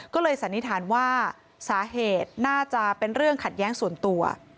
ก็เลยสันนิษฐานว่าสาเหตุน่าจะเป็นเรื่องขัดแย้งส่วนตัว